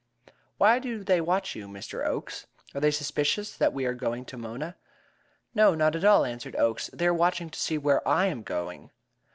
"Why do they watch you, Mr. Oakes? Are they suspicious that we are going to Mona?" "No, not at all," answered Oakes. "They are watching to see where I am going.